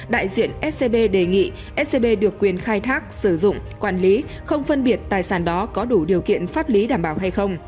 đại diện scb đề nghị scb được quyền khai thác sử dụng quản lý không phân biệt tài sản đó có đủ điều kiện pháp lý đảm bảo hay không